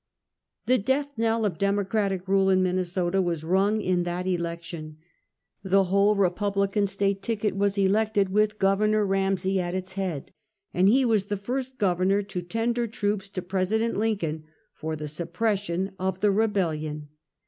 The death knell of Democratic rule in Minnesota was rung in that election. The whole Republican State ticket was elected, with Gov. Ramsey at its head, and he was the first Governor to tender troops to President Lincoln for the suppression of the Rebellion.